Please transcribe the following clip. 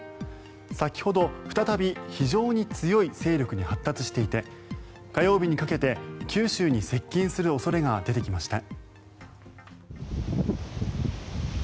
先ほど、再び非常に強い勢力に発達していて火曜日にかけて九州に接近する恐れが出てきました。